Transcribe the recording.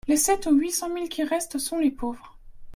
Les sept ou huit cent mille qui restent sont les pauvres.